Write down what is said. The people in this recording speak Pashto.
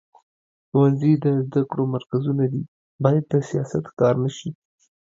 ښوونځي د زده کړو مرکزونه دي، باید د سیاست ښکار نه شي.